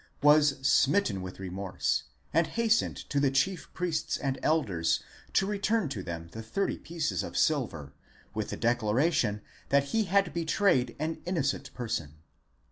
was smitten with remorse, and hastened to the chief priests and elders to return to them the thirty pieces of silver, with the declara tion that he had betrayed an innocent person.